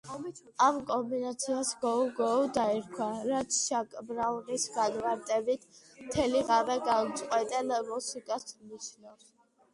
ამ კომბინაციას „გოუ-გოუ“ დაერქვა, რაც ჩაკ ბრაუნის განმარტებით, მთელი ღამე განუწყვეტელ მუსიკას ნიშნავს.